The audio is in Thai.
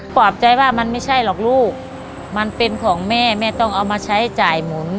ปลอบใจว่ามันไม่ใช่หรอกลูกมันเป็นของแม่แม่ต้องเอามาใช้จ่ายหมุน